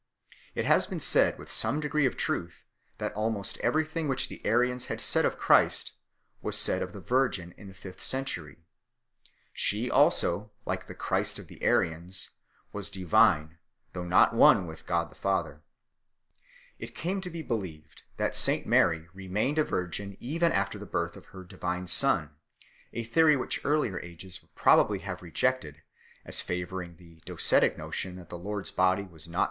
It has been said with some degree of truth that almost everything which the Arians had said of Christ was said of the Virgin in the fifth century. She also, like the Christ of the Arians, was divine though not one with God the Father. It came to be believed that St Mary remained a virgin even after the birth of her Divine Son, a theory which earlier ages would probably have rejected as favouring the Docetic notion that the Lord s Body was not composed of 1 As the emperor Julian, quoted by Cyril, Adv.